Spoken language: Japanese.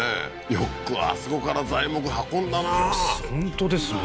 よくあそこから材木運んだな本当ですね